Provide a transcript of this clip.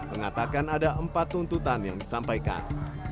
mengatakan ada empat tuntutan yang disampaikan